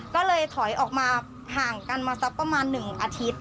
ก็เลยถอยออกมาห่างกันมาสักประมาณ๑อาทิตย์